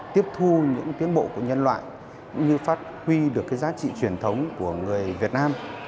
tiếp thu những tiến bộ của nhân loại cũng như phát huy được giá trị truyền thống của người việt nam